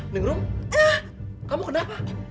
nengrum kamu kenapa